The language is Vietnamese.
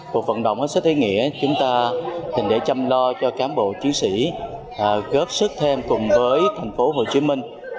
cuộc vận động sẽ thấy nghĩa chúng ta thành để chăm lo cho cán bộ chiến sĩ góp sức thêm cùng với thành phố hồ chí minh